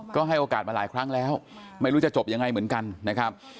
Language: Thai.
ก็ให้โอกาสมาหลายครั้งแล้วไม่รู้จะจบยังไงเหมือนกันนะครับ